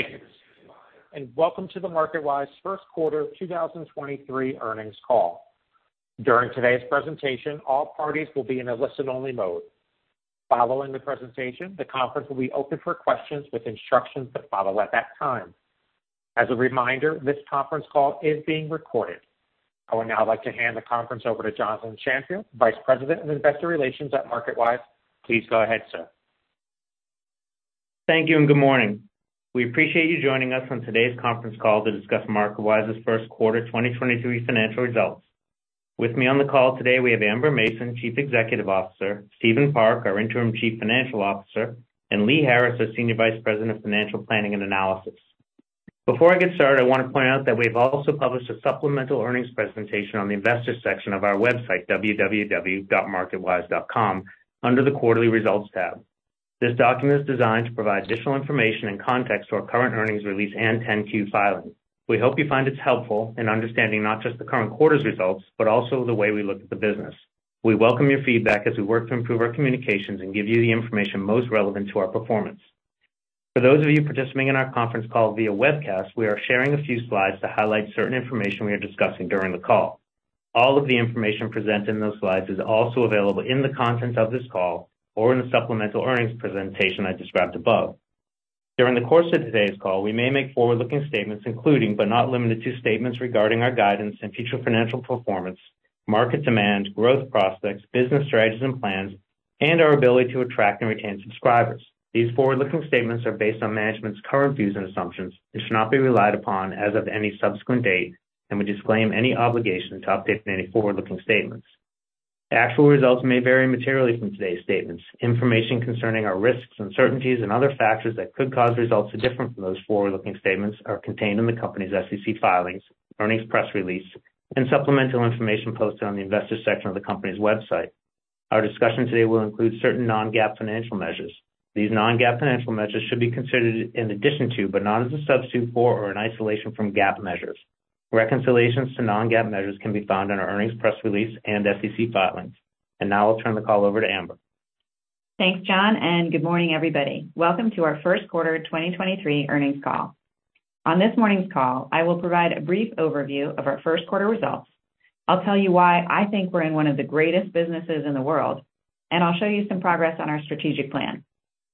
Thank you, and welcome to the MarketWise 1st Quarter 2023 Earnings Call. During today's presentation, all parties will be in a listen-only mode. Following the presentation, the conference will be open for questions with instructions that follow at that time. As a reminder, this conference call is being recorded. I would now like to hand the conference over to Jonathan Shanfield, Vice President of Investor Relations at MarketWise. Please go ahead, sir. Thank you. Good morning. We appreciate you joining us on today's conference call to discuss MarketWise's first-quarter 2023 financial results. With me on the call today, we have Amber Mason, Chief Executive Officer, Stephen Park, our interim Chief Financial Officer, and Lee Harris, our Senior Vice President of Financial Planning and Analysis. Before I get started, I want to point out that we've also published a supplemental earnings presentation on the investor section of our website www.marketwise.com under the Quarterly Results tab. This document is designed to provide additional information and context to our current earnings release and 10-Q filing. We hope you find this helpful in understanding not just the current quarter's results, but also the way we look at the business. We welcome your feedback as we work to improve our communications and give you the information most relevant to our performance. For those of you participating in our conference call via webcast, we are sharing a few slides to highlight certain information we are discussing during the call. All of the information presented in those slides is also available in the contents of this call or in the supplemental earnings presentation I described above. During the course of today's call, we may make forward-looking statements, including but not limited to statements regarding our guidance and future financial performance, market demand, growth prospects, business strategies and plans, and our ability to attract and retain subscribers. These forward-looking statements are based on management's current views and assumptions and should not be relied upon as of any subsequent date, and we disclaim any obligation to update any forward-looking statements. The actual results may vary materially from today's statements. Information concerning our risks, uncertainties, and other factors that could cause results to differ from those forward-looking statements are contained in the company's SEC filings, earnings press release, and supplemental information posted on the investor section of the company's website. Our discussion today will include certain non-GAAP financial measures. These non-GAAP financial measures should be considered in addition to, but not as a substitute for or in isolation from GAAP measures. Reconciliations to non-GAAP measures can be found on our earnings press release and SEC filings. Now I'll turn the call over to Amber. Thanks, Jon, and good morning, everybody. Welcome to our first-quarter 2023 earnings call. On this morning's call, I will provide a brief overview of our first quarter results. I'll tell you why I think we're in one of the greatest businesses in the world, and I'll show you some progress on our strategic plan.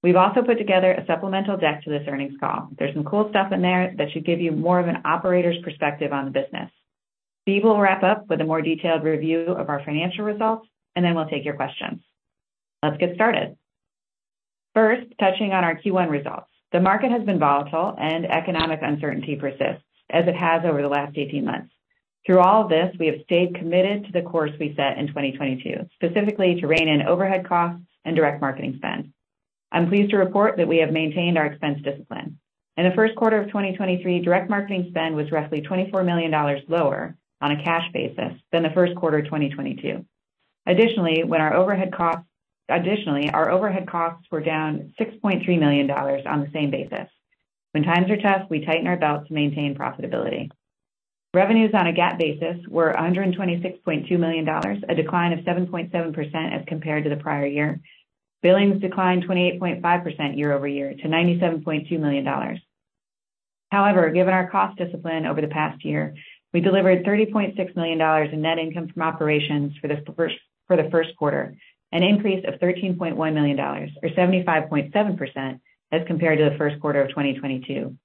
We've also put together a supplemental deck to this earnings call. There's some cool stuff in there that should give you more of an operator's perspective on the business. Steve will wrap up with a more detailed review of our financial results, and then we'll take your questions. Let's get started. First, touching on our Q1 results. The market has been volatile and economic uncertainty persists as it has over the last 18 months. Through all of this, we have stayed committed to the course we set in 2022, specifically to rein in overhead costs and direct marketing spend. I'm pleased to report that we have maintained our expense discipline. In the first quarter of 2023, direct marketing spend was roughly $24 million lower on a cash basis than the first quarter of 2022. Additionally, our overhead costs were down $6.3 million on the same basis. When times are tough, we tighten our belts to maintain profitability. Revenues on a GAAP basis were $126.2 million, a decline of 7.7% as compared to the prior year. Billings declined 28.5% year-over-year to $97.2 million. However, given our cost discipline over the past year, we delivered $30.6 million in net income from operations for the first quarter, an increase of $13.1 million or 75.7% as compared to the first quarter of 2022.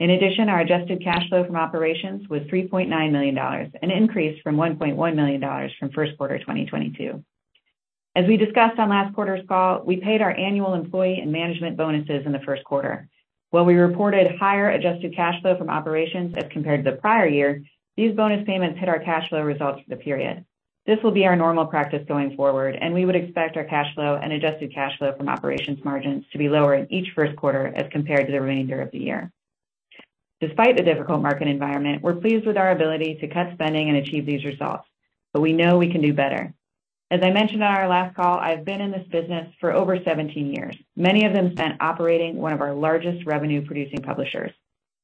In addition, our adjusted cash flow from operations was $3.9 million, an increase from $1.1 million from first quarter 2022. As we discussed on last quarter's call, we paid our annual employee and management bonuses in the first quarter. While we reported higher adjusted cash flow from operations as compared to the prior year, these bonus payments hit our cash flow results for the period. This will be our normal practice going forward, we would expect our cash flow and adjusted cash flow from operations margins to be lower in each first quarter as compared to the remainder of the year. Despite the difficult market environment, we're pleased with our ability to cut spending and achieve these results, we know we can do better. As I mentioned on our last call, I've been in this business for over 17 years, many of them spent operating one of our largest revenue-producing publishers.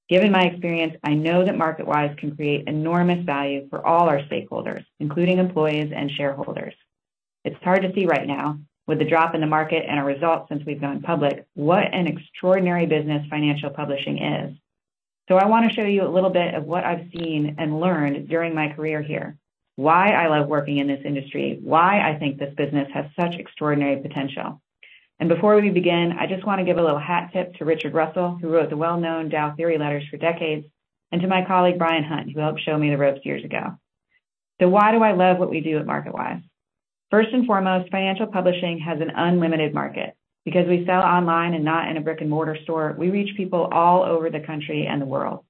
Given my experience, I know that MarketWise can create enormous value for all our stakeholders, including employees and shareholders. It's hard to see right now, with the drop in the market and our results since we've gone public, what an extraordinary business financial publishing is. I want to show you a little bit of what I've seen and learned during my career here, why I love working in this industry, why I think this business has such extraordinary potential. Before we begin, I just want to give a little hat tip to Richard Russell, who wrote the well-known Dow Theory Letters for decades, and to my colleague Brian Hunt, who helped show me the ropes years ago. Why do I love what we do at MarketWise? First and foremost, financial publishing has an unlimited market. Because we sell online and not in a brick-and-mortar store, we reach people all over the country and the world.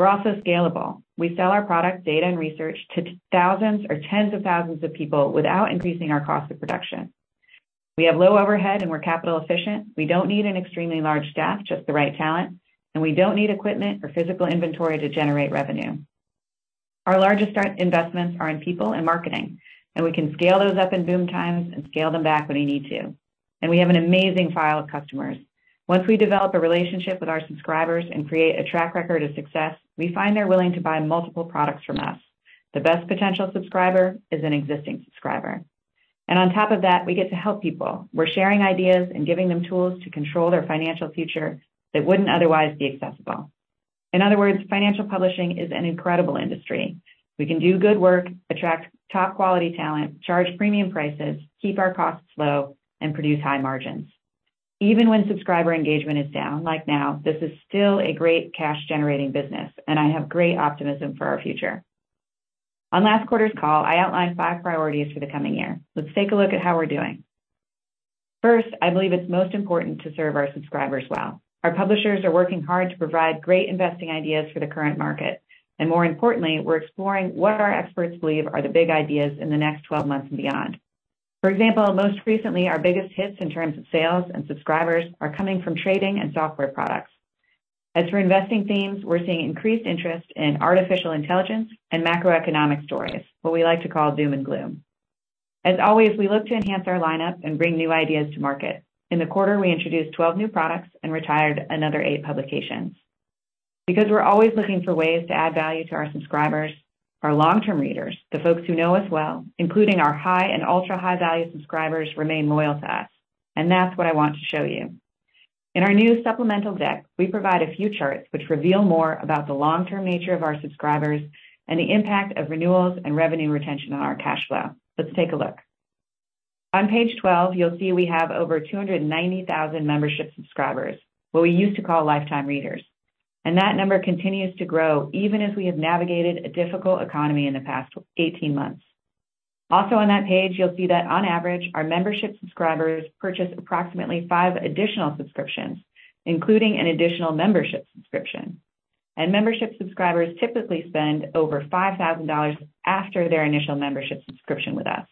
We're also scalable. We sell our product, data, and research to thousands or tens of thousands of people without increasing our cost of production. We have low overhead, and we're capital efficient. We don't need an extremely large staff, just the right talent, and we don't need equipment or physical inventory to generate revenue. Our largest investments are in people and marketing, and we can scale those up in boom times and scale them back when we need to. We have an amazing file of customers. Once we develop a relationship with our subscribers and create a track record of success, we find they're willing to buy multiple products from us. The best potential subscriber is an existing subscriber. On top of that, we get to help people. We're sharing ideas and giving them tools to control their financial future that wouldn't otherwise be accessible. In other words, financial publishing is an incredible industry. We can do good work, attract top quality talent, charge premium prices, keep our costs low, and produce high margins. Even when subscriber engagement is down, like now, this is still a great cash-generating business, and I have great optimism for our future. On last quarter's call, I outlined five priorities for the coming year. Let's take a look at how we're doing. First, I believe it's most important to serve our subscribers well. Our publishers are working hard to provide great investing ideas for the current market. More importantly, we're exploring what our experts believe are the big ideas in the next 12 months and beyond. For example, most recently, our biggest hits in terms of sales and subscribers are coming from trading and software products. As for investing themes, we're seeing increased interest in artificial intelligence and macroeconomic stories, what we like to call zoom and gloom. As always, we look to enhance our lineup and bring new ideas to market. In the quarter, we introduced 12 new products and retired another eight publications. We're always looking for ways to add value to our subscribers, our long-term readers, the folks who know us well, including our high and ultra-high value subscribers, remain loyal to us, and that's what I want to show you. In our new supplemental deck, we provide a few charts which reveal more about the long-term nature of our subscribers and the impact of renewals and revenue retention on our cash flow. Let's take a look. On page 12, you'll see we have over 290,000 membership subscribers, what we used to call lifetime readers, and that number continues to grow even as we have navigated a difficult economy in the past 18 months. On that page, you'll see that on average, our membership subscribers purchase approximately five additional subscriptions, including an additional membership subscription. Membership subscribers typically spend over $5,000 after their initial membership subscription with us.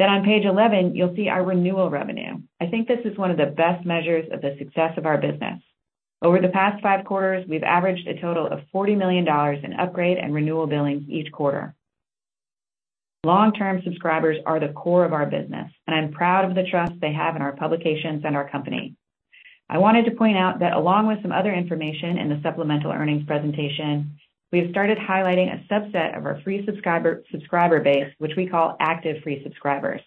On page 11, you'll see our renewal revenue. I think this is one of the best measures of the success of our business. Over the past five quarters, we've averaged a total of $40 million in upgrade and renewal billings each quarter. Long-term subscribers are the core of our business, and I'm proud of the trust they have in our publications and our company. I wanted to point out that along with some other information in the supplemental earnings presentation, we have started highlighting a subset of our free subscriber base, which we call active free subscribers.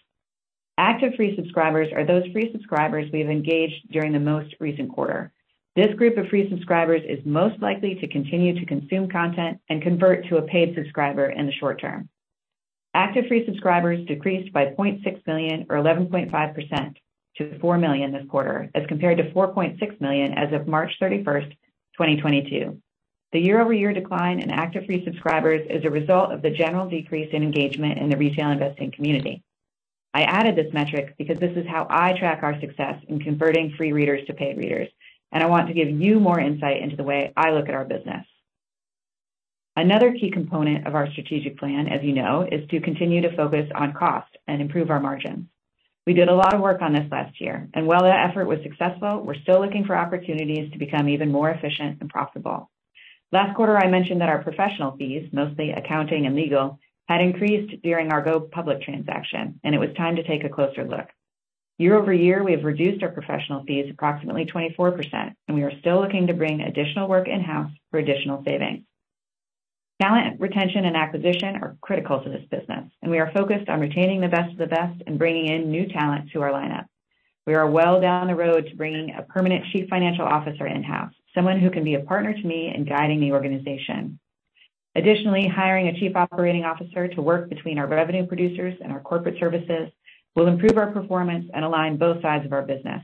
Active free subscribers are those free subscribers we have engaged during the most recent quarter. This group of free subscribers is most likely to continue to consume content and convert to a paid subscriber in the short term. Active free subscribers decreased by 0.6 million or 11.5% to 4 million this quarter as compared to 4.6 million as of March 31st, 2022. The year-over-year decline in active free subscribers is a result of the general decrease in engagement in the retail investing community. I added this metric because this is how I track our success in converting free readers to paid readers, and I want to give you more insight into the way I look at our business. Another key component of our strategic plan, as you know, is to continue to focus on cost and improve our margins. We did a lot of work on this last year, and while that effort was successful, we're still looking for opportunities to become even more efficient and profitable. Last quarter, I mentioned that our professional fees, mostly accounting and legal, had increased during our go public transaction, and it was time to take a closer look. Year-over-year, we have reduced our professional fees approximately 24%, and we are still looking to bring additional work in-house for additional savings. Talent, retention, acquisition are critical to this business, and we are focused on retaining the best of the best and bringing in new talent to our lineup. We are well down the road to bringing a permanent chief financial officer in-house, someone who can be a partner to me in guiding the organization. Additionally, hiring a chief operating officer to work between our revenue producers and our corporate services will improve our performance and align both sides of our business.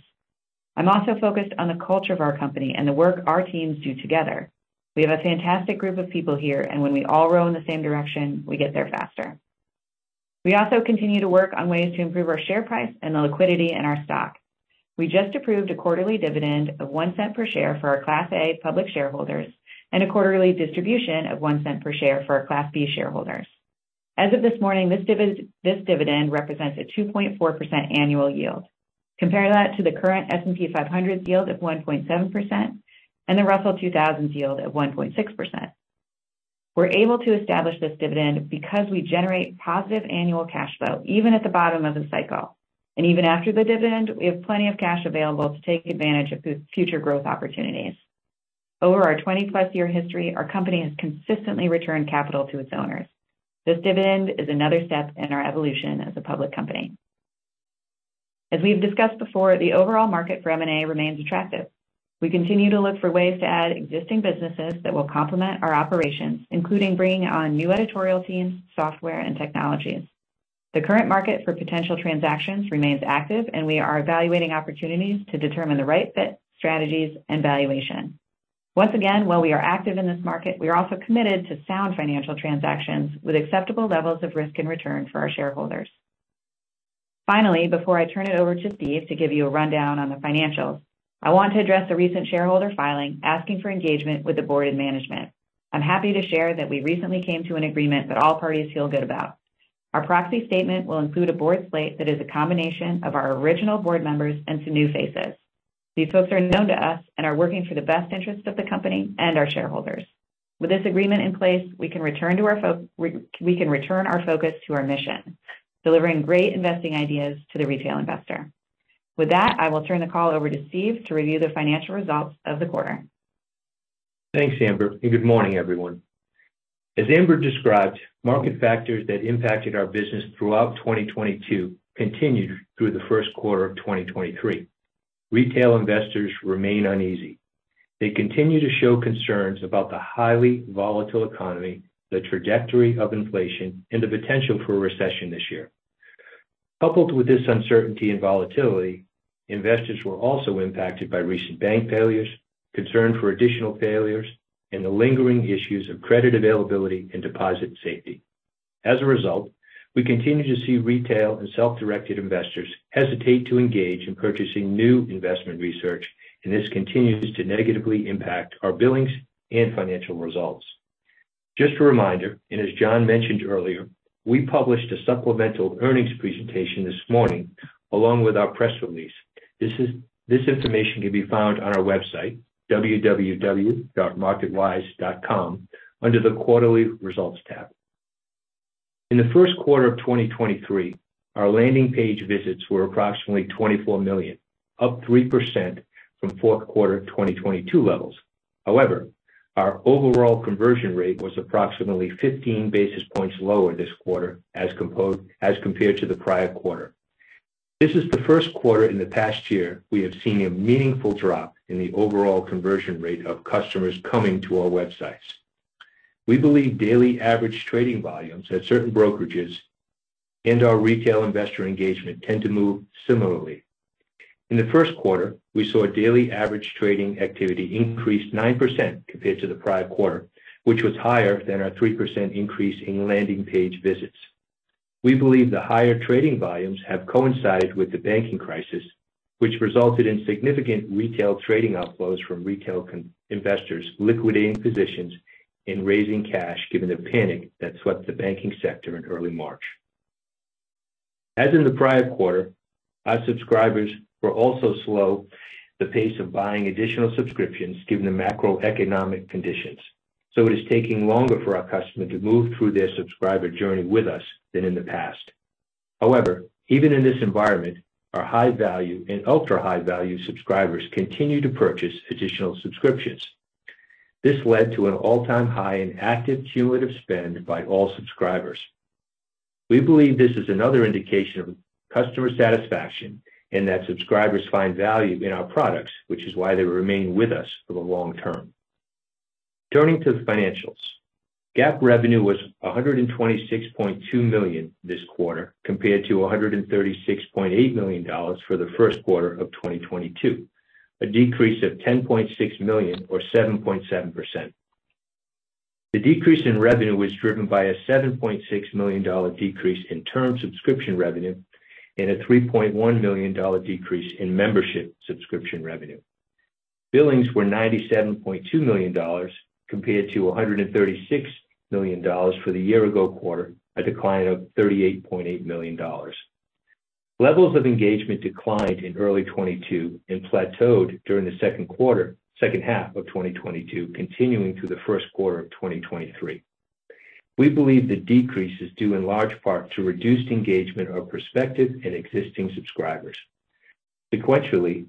I'm also focused on the culture of our company and the work our teams do together. We have a fantastic group of people here, and when we all row in the same direction, we get there faster. We also continue to work on ways to improve our share price and the liquidity in our stock. We just approved a quarterly dividend of $0.01 per share for our Class A public shareholders and a quarterly distribution of $0.01 per share for our Class B shareholders. As of this morning, this dividend represents a 2.4% annual yield. Compare that to the current S&P 500's yield of 1.7% and the Russell 2000's yield of 1.6%. We're able to establish this dividend because we generate positive annual cash flow even at the bottom of the cycle. Even after the dividend, we have plenty of cash available to take advantage of future growth opportunities. Over our 20+ year history, our company has consistently returned capital to its owners. This dividend is another step in our evolution as a public company. As we've discussed before, the overall market for M&A remains attractive. We continue to look for ways to add existing businesses that will complement our operations, including bringing on new editorial teams, software, and technologies. The current market for potential transactions remains active, and we are evaluating opportunities to determine the right fit, strategies, and valuation. Once again, while we are active in this market, we are also committed to sound financial transactions with acceptable levels of risk and return for our shareholders. Finally, before I turn it over to Steve to give you a rundown on the financials, I want to address a recent shareholder filing asking for engagement with the board and management. I'm happy to share that we recently came to an agreement that all parties feel good about. Our proxy statement will include a board slate that is a combination of our original board members and some new faces. These folks are known to us and are working for the best interest of the company and our shareholders. With this agreement in place, we can return our focus to our mission, delivering great investing ideas to the retail investor. With that, I will turn the call over to Steve to review the financial results of the quarter. Thanks, Amber. Good morning, everyone. As Amber described, market factors that impacted our business throughout 2022 continued through the first quarter of 2023. Retail investors remain uneasy. They continue to show concerns about the highly volatile economy, the trajectory of inflation, and the potential for a recession this year. Coupled with this uncertainty and volatility, investors were also impacted by recent bank failures, concern for additional failures, and the lingering issues of credit availability and deposit safety. As a result, we continue to see retail and self-directed investors hesitate to engage in purchasing new investment research, and this continues to negatively impact our billings and financial results. Just a reminder, and as John mentioned earlier, we published a supplemental earnings presentation this morning along with our press release. This information can be found on our website, www.marketwise.com, under the Quarterly Results tab. In the first quarter of 2023, our landing page visits were approximately 24 million, up 3% from fourth quarter 2022 levels. Our overall conversion rate was approximately 15 basis points lower this quarter as compared to the prior quarter. This is the first quarter in the past year we have seen a meaningful drop in the overall conversion rate of customers coming to our websites. We believe daily average trading volumes at certain brokerages and our retail investor engagement tend to move similarly. In the first quarter, we saw daily average trading activity increase 9% compared to the prior quarter, which was higher than our 3% increase in landing page visits. We believe the higher trading volumes have coincided with the banking crisis, which resulted in significant retail trading outflows from retail investors liquidating positions and raising cash, given the panic that swept the banking sector in early March. As in the prior quarter, our subscribers were also slow the pace of buying additional subscriptions given the macroeconomic conditions. It is taking longer for our customer to move through their subscriber journey with us than in the past. However, even in this environment, our high-value and ultra-high value subscribers continue to purchase additional subscriptions. This led to an all-time high in active cumulative spend by all subscribers. We believe this is another indication of customer satisfaction and that subscribers find value in our products, which is why they remain with us for the long term. Turning to the financials. GAAP revenue was $126.2 million this quarter, compared to $136.8 million for the first quarter of 2022, a decrease of $10.6 million or 7.7%. The decrease in revenue was driven by a $7.6 million decrease in term subscription revenue and a $3.1 million decrease in membership subscription revenue. Billings were $97.2 million compared to $136 million for the year ago quarter, a decline of $38.8 million. Levels of engagement declined in early 2022 and plateaued during the second half of 2022, continuing through the first quarter of 2023. We believe the decrease is due in large part to reduced engagement of prospective and existing subscribers. Sequentially,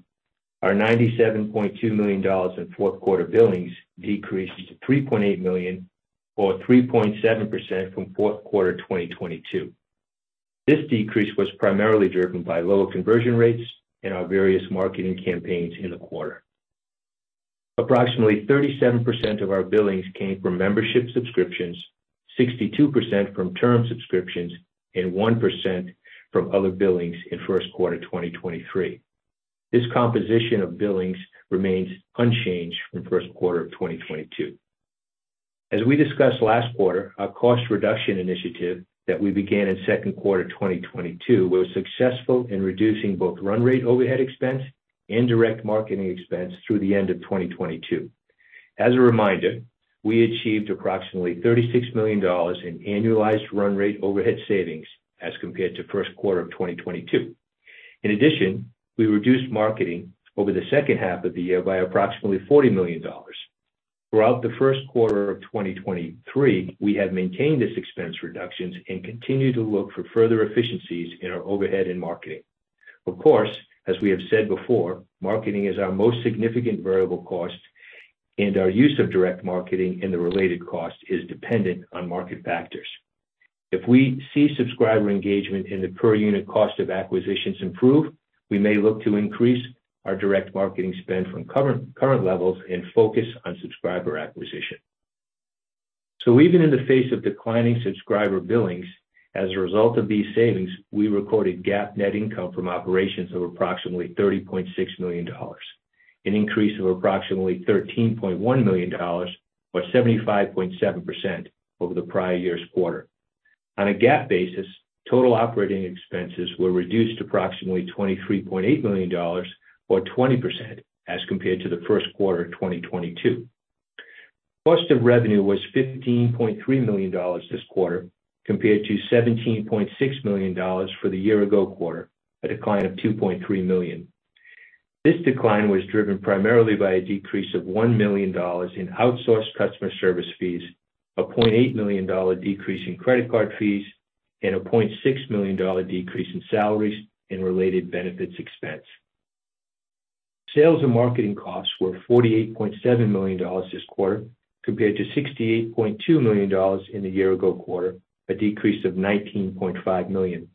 our $97.2 million in fourth quarter billings decreased to $3.8 million or 3.7% from fourth quarter 2022. This decrease was primarily driven by lower conversion rates in our various marketing campaigns in the quarter. Approximately 37% of our billings came from membership subscriptions, 62% from term subscriptions, and 1% from other billings in first quarter 2023. This composition of billings remains unchanged from first quarter of 2022. As we discussed last quarter, our cost reduction initiative that we began in second quarter 2022 was successful in reducing both run rate overhead expense and direct marketing expense through the end of 2022. As a reminder, we achieved approximately $36 million in annualized run rate overhead savings as compared to first quarter of 2022. In addition, we reduced marketing over the second half of the year by approximately $40 million. Throughout the first quarter of 2023, we have maintained this expense reductions and continue to look for further efficiencies in our overhead and marketing. Of course, as we have said before, marketing is our most significant variable cost, and our use of direct marketing and the related cost is dependent on market factors. If we see subscriber engagement in the per unit cost of acquisitions improve, we may look to increase our direct marketing spend from current levels and focus on subscriber acquisition. Even in the face of declining subscriber billings as a result of these savings, we recorded GAAP net income from operations of approximately $30.6 million, an increase of approximately $13.1 million or 75.7% over the prior year's quarter. On a GAAP basis, total operating expenses were reduced approximately $23.8 million or 20% as compared to the first quarter of 2022. Cost of revenue was $15.3 million this quarter compared to $17.6 million for the year-ago quarter, a decline of $2.3 million. This decline was driven primarily by a decrease of $1 million in outsourced customer service fees, a $0.8 million decrease in credit card fees. A $0.6 million decrease in salaries and related benefits expense. Sales and marketing costs were $48.7 million this quarter, compared to $68.2 million in the year-ago quarter, a decrease of $19.5 million.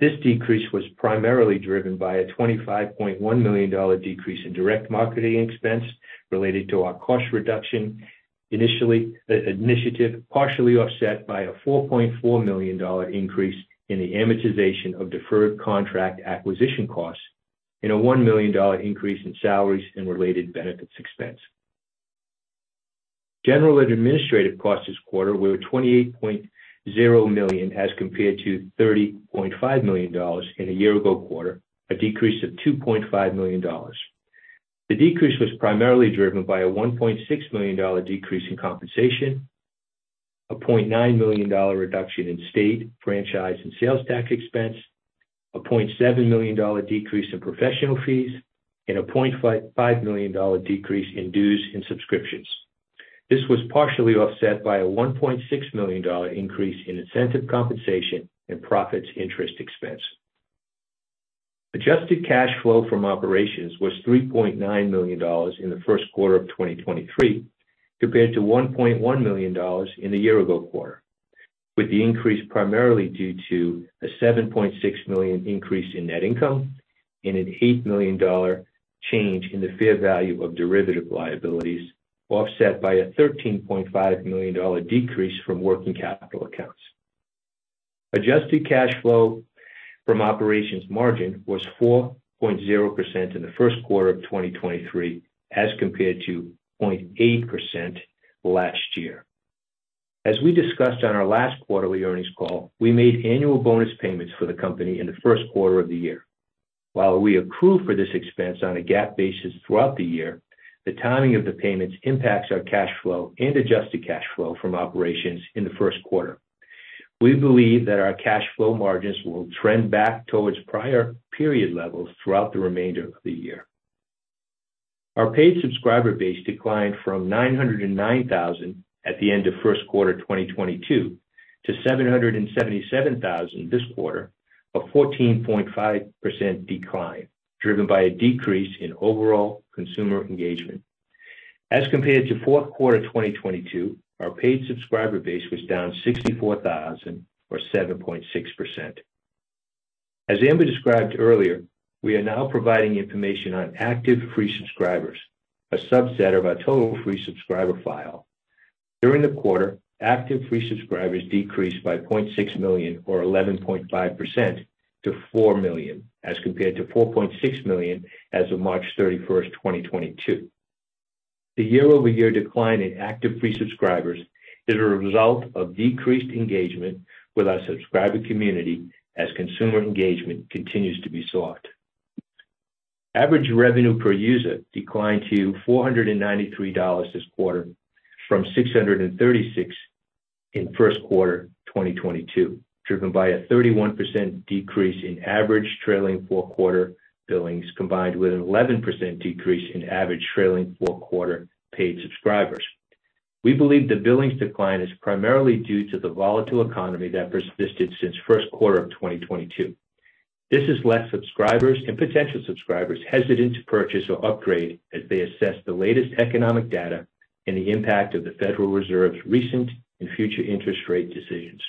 This decrease was primarily driven by a $25.1 million decrease in direct marketing expense related to our cost reduction initiative, partially offset by a $4.4 million increase in the amortization of deferred contract acquisition costs and a $1 million increase in salaries and related benefits expense. General and administrative costs this quarter were $28.0 million as compared to $30.5 million in the year ago quarter, a decrease of $2.5 million. The decrease was primarily driven by a $1.6 million decrease in compensation, a $0.9 million reduction in state, franchise, and sales tax expense, a $0.7 million decrease in professional fees, and a $0.5 million decrease in dues and subscriptions. This was partially offset by a $1.6 million increase in incentive compensation and profits interest expense. Adjusted cash flow from operations was $3.9 million in the first quarter of 2023, compared to $1.1 million in the year ago quarter, with the increase primarily due to a $7.6 million increase in net income and an $8 million change in the fair value of derivative liabilities, offset by a $13.5 million decrease from working capital accounts. Adjusted cash flow from operations margin was 4.0% in the first quarter of 2023, as compared to 0.8% last year. As we discussed on our last quarterly earnings call, we made annual bonus payments for the company in the first quarter of the year. While we accrue for this expense on a GAAP basis throughout the year, the timing of the payments impacts our cash flow and adjusted cash flow from operations in the first quarter. We believe that our cash flow margins will trend back towards prior period levels throughout the remainder of the year. Our paid subscriber base declined from 909,000 at the end of first quarter 2022 to 777,000 this quarter, a 14.5% decline, driven by a decrease in overall consumer engagement. As compared to fourth quarter 2022, our paid subscriber base was down 64,000 or 7.6%. As Amber described earlier, we are now providing information on active free subscribers, a subset of our total free subscriber file. During the quarter, active free subscribers decreased by 0.6 million or 11.5% to 4 million, as compared to 4.6 million as of March 31st, 2022. The year-over-year decline in active free subscribers is a result of decreased engagement with our subscriber community as consumer engagement continues to be soft. Average revenue per user declined to $493 this quarter from $636 in first quarter 2022, driven by a 31% decrease in average trailing four quarter billings, combined with an 11% decrease in average trailing four quarter paid subscribers. We believe the billings decline is primarily due to the volatile economy that persisted since first quarter of 2022. This has left subscribers and potential subscribers hesitant to purchase or upgrade as they assess the latest economic data and the impact of the Federal Reserve's recent and future interest rate decisions.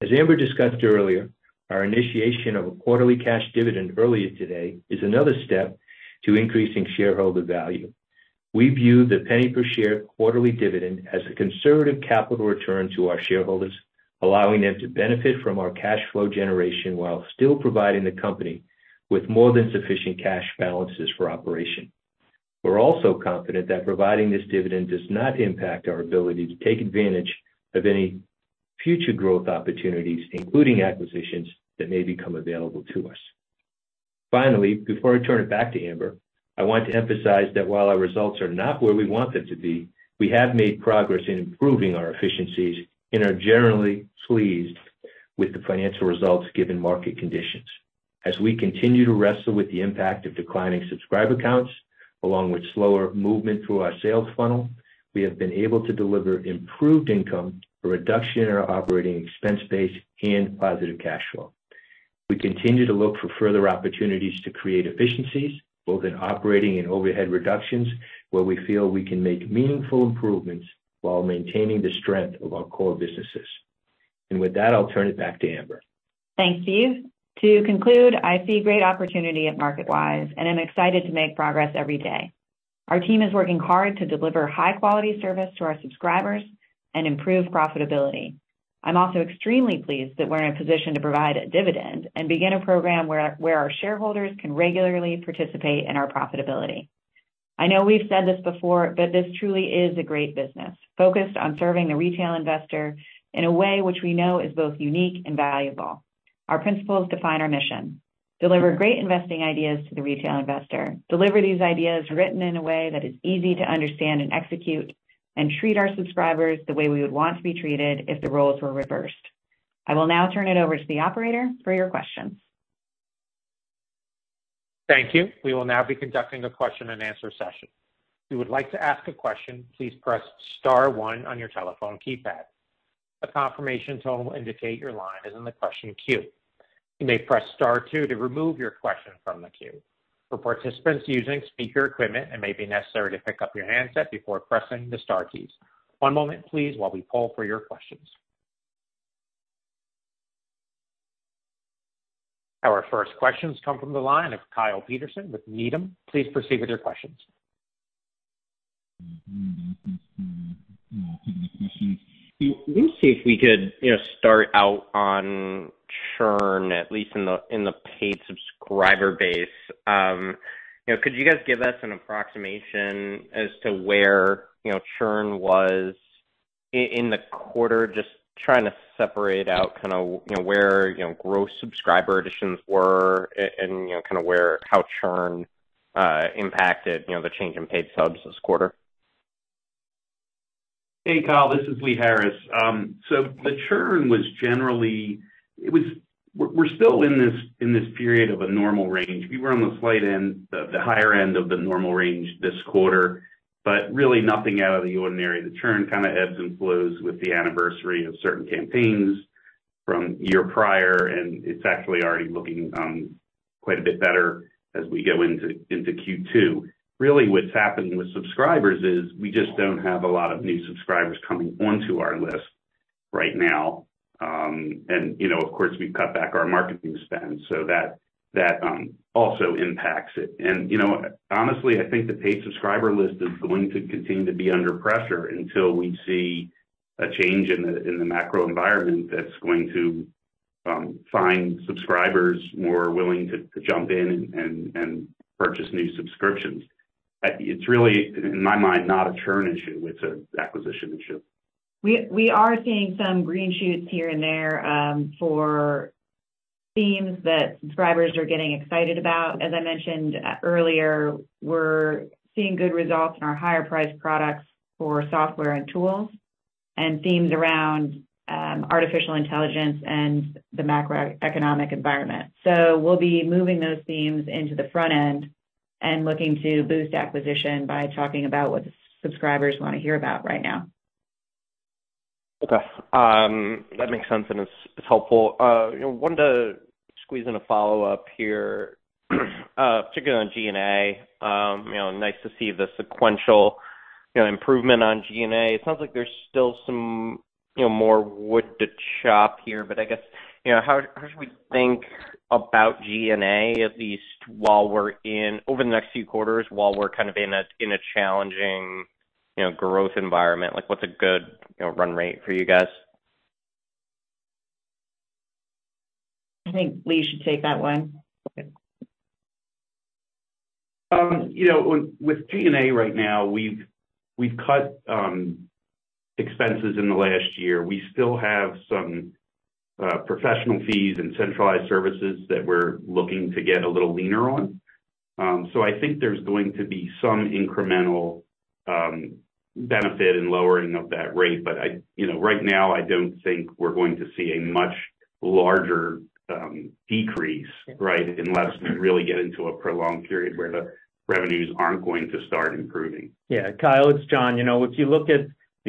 As Amber discussed earlier, our initiation of a quarterly cash dividend earlier today is another step to increasing shareholder value. We view the $0.01 per share quarterly dividend as a conservative capital return to our shareholders, allowing them to benefit from our cash flow generation while still providing the company with more than sufficient cash balances for operation. We're also confident that providing this dividend does not impact our ability to take advantage of any future growth opportunities, including acquisitions that may become available to us. Finally, before I turn it back to Amber, I want to emphasize that while our results are not where we want them to be, we have made progress in improving our efficiencies and are generally pleased with the financial results given market conditions. As we continue to wrestle with the impact of declining subscriber counts, along with slower movement through our sales funnel, we have been able to deliver improved income, a reduction in our operating expense base, and positive cash flow. We continue to look for further opportunities to create efficiencies, both in operating and overhead reductions, where we feel we can make meaningful improvements while maintaining the strength of our core businesses. With that, I'll turn it back to Amber. Thanks, Steve. To conclude, I see great opportunity at MarketWise, and I'm excited to make progress every day. Our team is working hard to deliver high-quality service to our subscribers and improve profitability. I'm also extremely pleased that we're in a position to provide a dividend and begin a program where our shareholders can regularly participate in our profitability. I know we've said this before, but this truly is a great business, focused on serving the retail investor in a way which we know is both unique and valuable. Our principles define our mission: deliver great investing ideas to the retail investor, deliver these ideas written in a way that is easy to understand and execute, and treat our subscribers the way we would want to be treated if the roles were reversed. I will now turn it over to the operator for your questions. Thank you. We will now be conducting a question and answer session. If you would like to ask a question, please press star one on your telephone keypad. A confirmation tone will indicate your line is in the question queue. You may press star two to remove your question from the queue. For participants using speaker equipment, it may be necessary to pick up your handset before pressing the star keys. One moment please while we poll for your questions. Our first questions come from the line of Kyle Peterson with Needham. Please proceed with your questions. Let me see if we could, you know, start out on churn, at least in the, in the paid subscriber base. You know, could you guys give us an approximation as to where, you know, churn was in the quarter, just trying to separate out kind of, you know, where, you know, growth subscriber additions were and, you know, kind of how churn impacted, you know, the change in paid subs this quarter? Hey, Kyle, this is Lee Harris. The churn was generally. We're still in this period of a normal range. We were on the slight end, the higher end of the normal range this quarter, but really nothing out of the ordinary. The churn kind of ebbs and flows with the anniversary of certain campaigns from year prior, and it's actually already looking quite a bit better as we go into Q2. Really what's happening with subscribers is we just don't have a lot of new subscribers coming onto our list right now. You know, of course, we've cut back our marketing spend so that also impacts it. You know, honestly, I think the paid subscriber list is going to continue to be under pressure until we see a change in the, in the macro environment that's going to find subscribers more willing to jump in and purchase new subscriptions. It's really in my mind, not a churn issue. It's an acquisition issue. We are seeing some green shoots here and there for themes that subscribers are getting excited about. As I mentioned earlier, we're seeing good results in our higher priced products for software and tools and themes around artificial intelligence and the macroeconomic environment. We'll be moving those themes into the front end and looking to boost acquisition by talking about what subscribers wanna hear about right now. Okay. That makes sense, and it's helpful. Wanted to squeeze in a follow-up here, particularly on G&A. You know, nice to see the sequential, you know, improvement on G&A. It sounds like there's still some, you know, more wood to chop here. I guess, you know, how should we think about G&A at least while we're over the next few quarters, while we're kind of in a challenging, you know, growth environment? Like, what's a good, you know, run rate for you guys? I think Lee should take that one. You know, with G&A right now, we've cut expenses in the last year. We still have some professional fees and centralized services that we're looking to get a little leaner on. I think there's going to be some incremental benefit in lowering of that rate. You know, right now, I don't think we're going to see a much larger decrease, right, unless we really get into a prolonged period where the revenues aren't going to start improving. Yeah. Kyle, it's Jon. You know, if you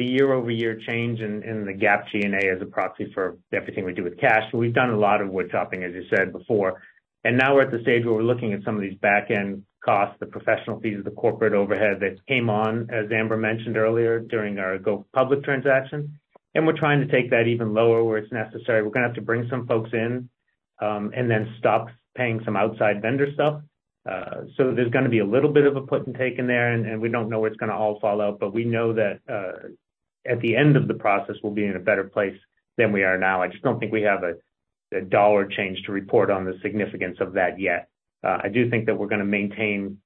look at the year-over-year change in the GAAP G&A as a proxy for everything we do with cash, we've done a lot of wood chopping, as you said before. Now we're at the stage where we're looking at some of these back-end costs, the professional fees, the corporate overhead that came on, as Amber mentioned earlier, during our go public transaction. We're trying to take that even lower where it's necessary. We're gonna have to bring some folks in, and then stop paying some outside vendor stuff. There's gonna be a little bit of a put and take in there, and we don't know where it's gonna all fall out, but we know that at the end of the process, we'll be in a better place than we are now. I just don't think we have a dollar change to report on the significance of that yet. I do think that we're gonna maintain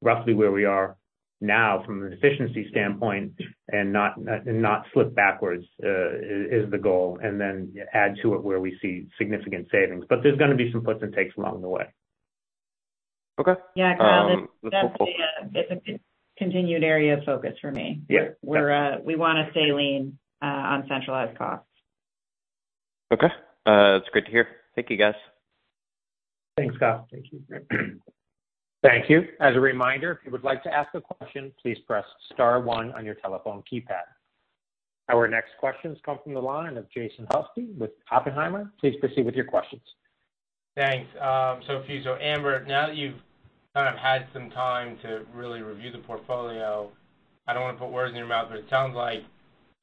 roughly where we are now from an efficiency standpoint and not slip backwards, is the goal, and then add to it where we see significant savings. There's gonna be some puts and takes along the way. Okay. Yeah, Kyle. It's a continued area of focus for me. Yeah. We wanna stay lean on centralized costs. Okay. It's great to hear. Thank you, guys. Thanks, Kyle. Thank you. Thank you. As a reminder, if you would like to ask a question, please press star one on your telephone keypad. Our next questions come from the line of Jason Helfstein with Oppenheimer. Please proceed with your questions. Thanks. So few, so Amber, now that you've kind of had some time to really review the portfolio, I don't wanna put words in your mouth, but it sounds like,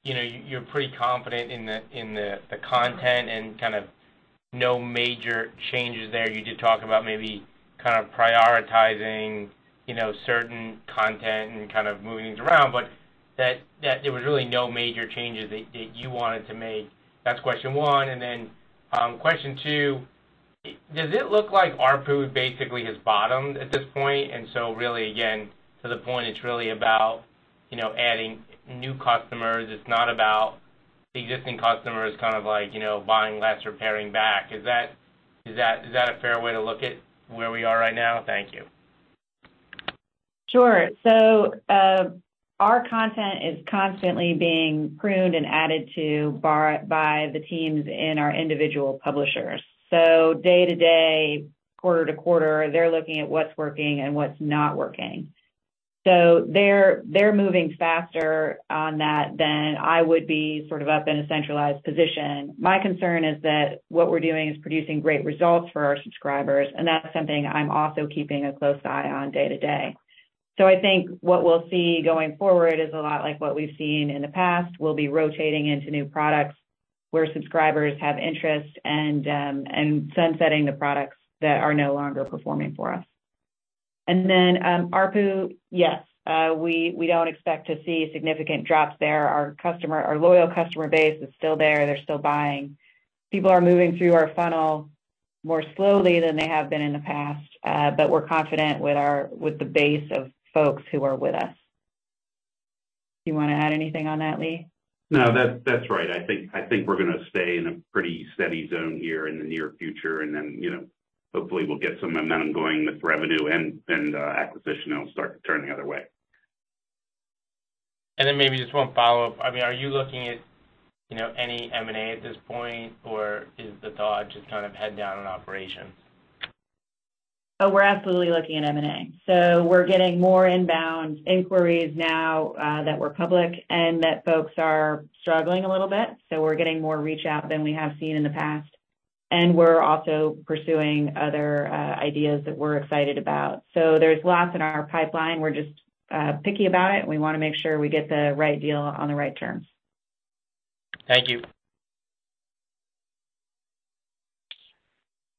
you know, you're pretty confident in the content and kind of no major changes there. You did talk about maybe kind of prioritizing, you know, certain content and kind of moving things around, but that there was really no major changes that you wanted to make. That's question one. Question two, does it look like ARPU basically has bottomed at this point? Really again, to the point, it's really about, you know, adding new customers. It's not about the existing customers kind of like, you know, buying less or paring back. Is that a fair way to look at where we are right now? Thank you. Sure. Our content is constantly being pruned and added to by the teams in our individual publishers. Day-to day, quarter to quarter, they're looking at what's working and what's not working. They're moving faster on that than I would be sort of up in a centralized position. My concern is that what we're doing is producing great results for our subscribers, and that's something I'm also keeping a close eye on day to day. I think what we'll see going forward is a lot like what we've seen in the past. We'll be rotating into new products where subscribers have interest and sunsetting the products that are no longer performing for us. ARPU, yes, we don't expect to see significant drops there. Our loyal customer base is still there. They're still buying. People are moving through our funnel more slowly than they have been in the past, but we're confident with the base of folks who are with us. Do you wanna add anything on that, Lee? No. That's right. I think we're gonna stay in a pretty steady zone here in the near future and then, you know, hopefully we'll get some momentum going with revenue and acquisition will start to turn the other way. Then maybe just one follow-up. I mean, are you looking at, you know, any M&A at this point, or is the thought just kind of head down on operations? Oh, we're absolutely looking at M&A. We're getting more inbound inquiries now, that we're public and that folks are struggling a little bit, so we're getting more reach out than we have seen in the past. We're also pursuing other ideas that we're excited about. There's lots in our pipeline. We're just picky about it. We wanna make sure we get the right deal on the right terms. Thank you.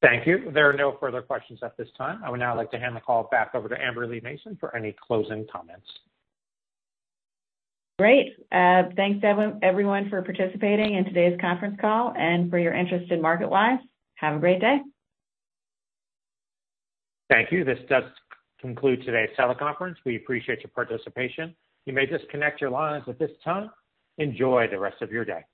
Thank you. There are no further questions at this time. I would now like to hand the call back over to Amber Lee Mason for any closing comments. Great. thanks, everyone, for participating in today's conference call and for your interest in MarketWise. Have a great day. Thank you. This does conclude today's teleconference. We appreciate your participation. You may disconnect your lines at this time. Enjoy the rest of your day.